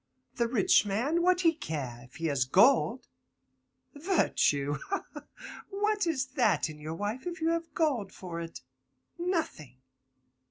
The rich man, what he care, if he has gold? Virtue! ha, ha! what is that in your wife if you have gold for it? Nothing.